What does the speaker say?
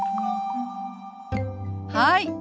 はい。